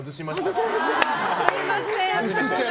すみません。